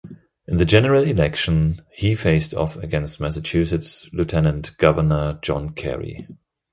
In the general election, he faced off against Massachusetts Lieutenant Governor John Kerry.